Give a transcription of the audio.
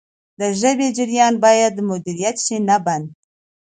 د ژبې جریان باید مدیریت شي نه بند.